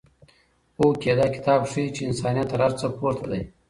هوکې دا کتاب ښيي چې انسانیت تر هر څه پورته دی.